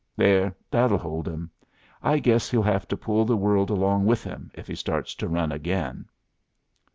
There; that'll hold him. I guess he'll have to pull the world along with him if he starts to run again."